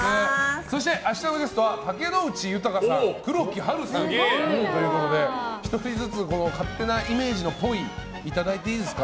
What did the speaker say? そして明日のゲストは竹野内豊さん黒木華さんということで１人ずつ勝手なイメージのっぽいをいただいていいですか？